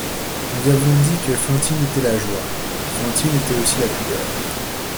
Nous avons dit que Fantine était la joie ; Fantine était aussi la pudeur.